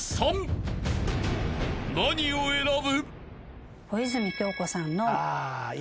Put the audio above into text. ［何を選ぶ？］